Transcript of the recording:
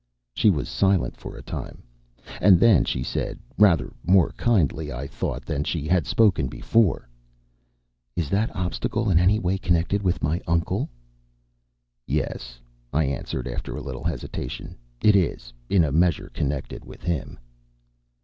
She was silent for a time, and then she said, rather more kindly, I thought, than she had spoken before: "Is that obstacle in any way connected with my uncle?" "Yes," I answered, after a little hesitation, "it is, in a measure, connected with him."